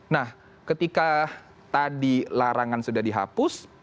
nah ketika tadi larangan sudah dihapus